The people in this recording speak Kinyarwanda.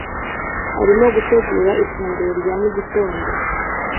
Arimo gutegura ifunguro rya mu gitondo